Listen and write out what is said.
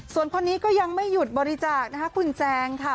ส่วนคนนี้ก็ยังไม่หยุดบริจาคนะคะคุณแจงค่ะ